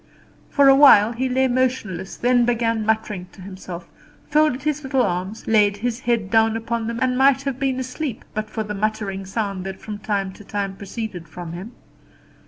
For a while he lay motionless, then began muttering to himself, folded his little arms, laid his head down upon them, and might have been asleep, but for the muttering sound that from time to time proceeded from him.